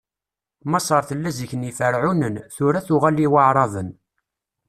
Maṣer tella zik n Yiferɛunen, tura tuɣal i Waɛraben.